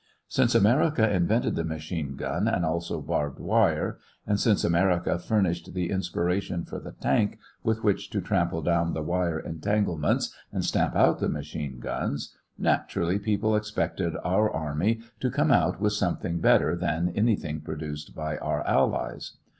Since America invented the machine gun and also barbed wire, and since America furnished the inspiration for the tank with which to trample down the wire entanglements and stamp out the machine guns, naturally people expected our army to come out with something better than anything produced by our allies.